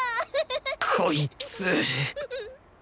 こいつ！